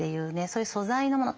そういう素材のもの。